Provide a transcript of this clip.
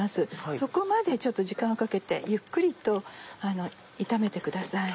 そこまでちょっと時間をかけてゆっくりと炒めてください。